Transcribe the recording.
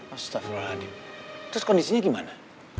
astagfirullahaladzim terus kondisinya gimana